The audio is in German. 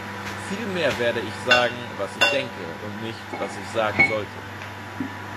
Vielmehr werde ich sagen, was ich denke, und nicht, was ich sagen sollte.